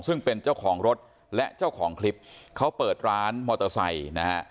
ซึ่งเป็นเจ้าของรถและเจ้าของคลิปเขาเปิดร้านมอเตอร์ไซค์นะฮะ